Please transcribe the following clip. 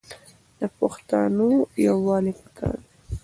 د پښتانو یوالي پکار دی.